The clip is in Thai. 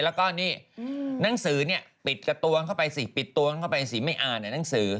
แล้วก็นี่หนังสือเนี่ยปิดกระตวงเข้าไปสิปิดตัวเข้าไปสิไม่อ่านในหนังสือ